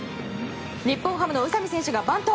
日本ハムの宇佐見選手がバント。